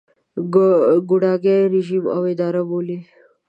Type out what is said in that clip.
ګوډاګی رژیم او اداره بولي.